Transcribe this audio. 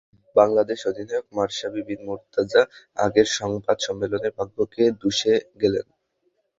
বাংলাদেশ অধিনায়ক মাশরাফি বিন মুর্তজা আগের সংবাদ সম্মেলনেই ভাগ্যকে দুষে গেলেন।